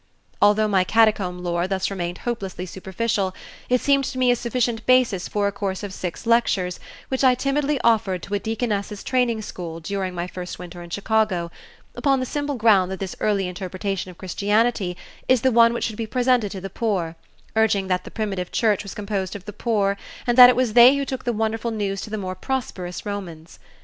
Although my Catacomb lore thus remained hopelessly superficial, it seemed to me a sufficient basis for a course of six lectures which I timidly offered to a Deaconess's Training School during my first winter in Chicago, upon the simple ground that this early interpretation of Christianity is the one which should be presented to the poor, urging that the primitive church was composed of the poor and that it was they who took the wonderful news to the more prosperous Romans.